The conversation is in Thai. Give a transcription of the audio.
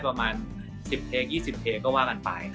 ประมาณ๑๐เพลง๒๐เพลงก็ว่ากันไป